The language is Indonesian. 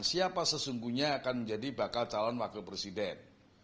siapa sesungguhnya akan menjadi bakal calon wakil presiden